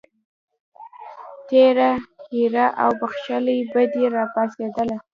تېره هیره او بښلې بدي راپاڅېدله.